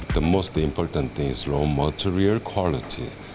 yang paling penting adalah kualitas bahan bahan